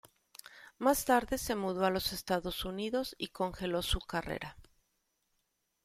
Más tarde se mudó a los Estados Unidos y congeló su carrera.